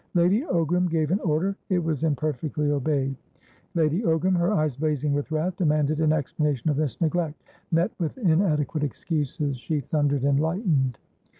Lady Ogram gave an order; it was imperfectly obeyed. Lady Ogram, her eyes blazing with wrath, demanded an explanation of this neglect; met with inadequate excuses, she thundered and lightened.